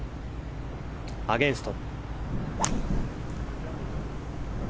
アゲンスト。